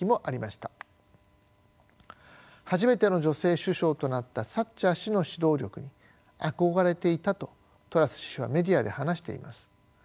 初めての女性首相となったサッチャー氏の指導力に憧れていたとトラス氏はメディアで話しています。